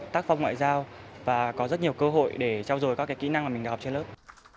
tác phong ngoại giao và có rất nhiều cơ hội để trao dồi các kỹ năng mà mình đã học trên lớp